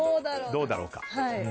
どうだろうか。